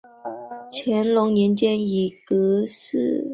乾隆年间以内阁学士致仕。